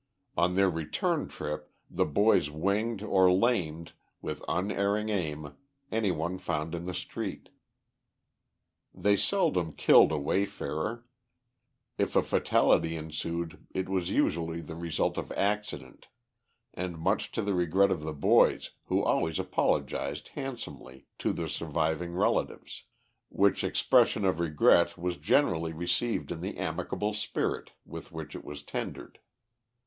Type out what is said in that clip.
On their return trip the boys winged or lamed, with unerring aim, any one found in the street. They seldom killed a wayfarer; if a fatality ensued it was usually the result of accident, and much to the regret of the boys, who always apologised handsomely to the surviving relatives, which expression of regret was generally received in the amicable spirit with which it was tendered.